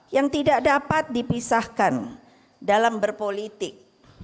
yang tidak dapat dipisahkan dalam berpolitik